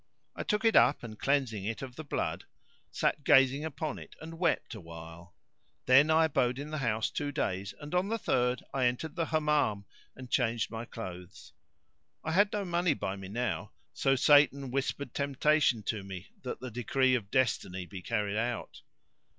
I took it up and, cleansing it of the blood, sat gazing upon it and wept awhile. Then I abode in the house two days and on the third I entered the Hammam and changed my clothes. I had no money by me now; so Satan whispered temptation to me that the Decree of Destiny be carried out.